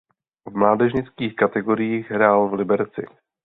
V mládežnických kategoriích hrál v Liberci.